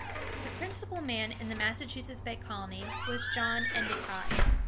The principal man in the Massachusetts Bay colony was John En´di cott.